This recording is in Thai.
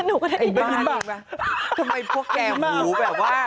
อื้อหนูก็ได้ยินอยู่เลยนะ